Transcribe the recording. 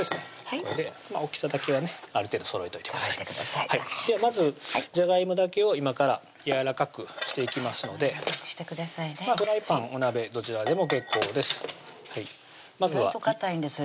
これで大きさだけはねある程度そろえといてくださいではまずじゃがいもだけを今からやわらかくしていきますのでフライパン・お鍋どちらでも結構です意外とかたいんですよ